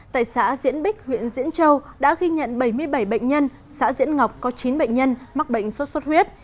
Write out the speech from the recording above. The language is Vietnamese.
tại xã diễn bích huyện diễn châu đã ghi nhận bảy mươi bảy bệnh nhân xã diễn ngọc có chín bệnh nhân mắc bệnh sốt xuất huyết